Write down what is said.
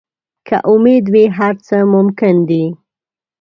که امید وي، هر څه ممکن دي.